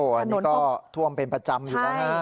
อันนี้ก็ท่วมเป็นประจำอยู่แล้วนะ